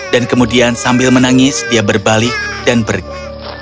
dan kemudian sambil menangis dia berbalik dan pergi